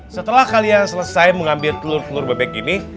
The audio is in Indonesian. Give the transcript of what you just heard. setelah kalian selesai mengambil telur telur bebek ini